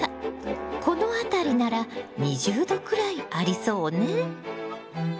この辺りなら２０℃くらいありそうね。